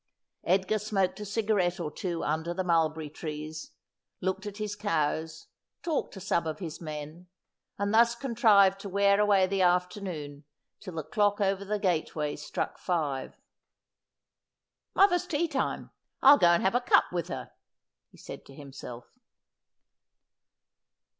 Edgar smoked a cigarette or two under the mulberry trees, looked at his cows, talked to some of his men, and thus contrived to wear away the afternoon till the clock over the gateway struck five. 'Mother's tea time. I'll go and have a cup with her,' he said to himself.